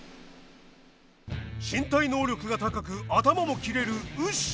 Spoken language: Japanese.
身体能力が高く頭も切れるウシ。